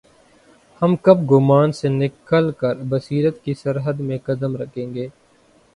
ہم کب گمان سے نکل کربصیرت کی سرحد میں قدم رکھیں گے؟